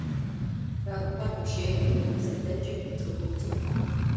Пэӏухъор ӏуищэин ыӏуи къызэтэджым чӏыгум тефагъ.